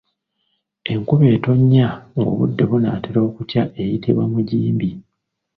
Enkuba etonnya ng’obudde bunaatera okukya eyitibwa mujimbi.